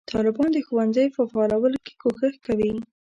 طالبان د ښوونځیو په فعالولو کې کوښښ کوي.